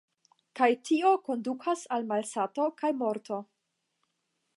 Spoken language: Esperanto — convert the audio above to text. Kaj tio kondukas al malsato kaj morto.